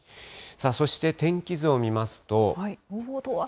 そして天気図を見ますと。